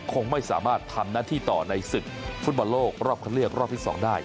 คงไม่สามารถทำหน้าที่ต่อในศึกฟุตบอลโลกรอบคันเลือกรอบที่๒ได้